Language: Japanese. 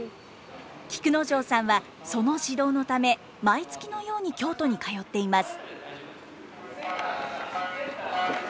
菊之丞さんはその指導のため毎月のように京都に通っています。